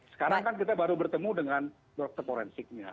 sekarang kan kita baru bertemu dengan dokter forensiknya